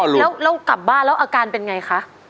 แล้วเรากลับบ้านแล้วอาการเป็นไงคะ